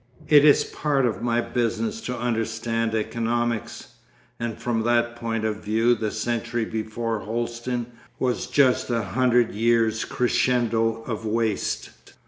It is part of my business to understand economics, and from that point of view the century before Holsten was just a hundred years' crescendo of waste.